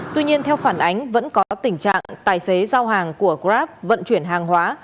tuy nhiên theo phản ánh vẫn có tình trạng tài xế giao hàng của grab vận chuyển hàng hóa